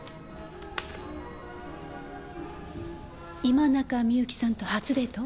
今中みゆきさんと初デート？